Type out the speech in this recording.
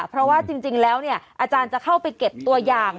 เพราะว่าจริงแล้วอาจารย์จะเข้าไปเก็บตัวอย่าง